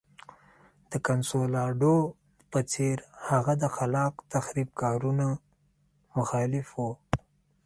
د کنسولاډو په څېر هغه د خلاق تخریب کارونو مخالف و.